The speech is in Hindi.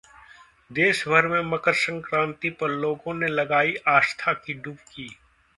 देशभर में मकर संक्रांति पर लोगों ने लगाई आस्था की डुबकी